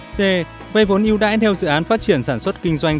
c vây vốn yêu đãi theo dự án phát triển sản xuất kinh doanh